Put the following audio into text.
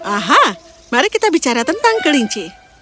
aha mari kita bicara tentang kelinci